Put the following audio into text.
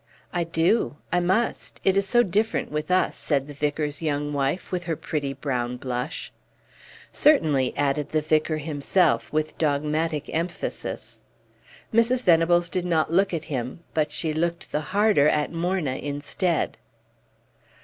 "I do I must it is so different with us," said the vicar's young wife, with her pretty brown blush. "Certainly," added the vicar himself, with dogmatic emphasis. Mrs. Venables did not look at him, but she looked the harder at Morna instead.